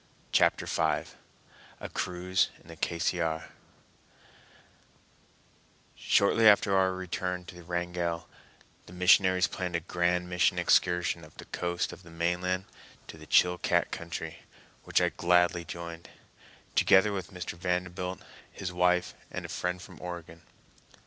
Chapter V A Cruise in the Cassiar Shortly after our return to Wrangell the missionaries planned a grand mission excursion up the coast of the mainland to the Chilcat country, which I gladly joined, together with Mr. Vanderbilt, his wife, and a friend from Oregon.